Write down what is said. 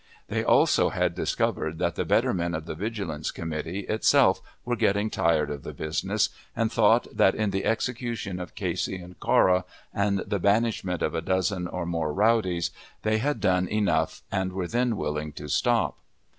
They also had discovered that the better men of the Vigilance Committee itself were getting tired of the business, and thought that in the execution of Casey and Cora, and the banishment of a dozen or more rowdies, they had done enough, and were then willing to stop.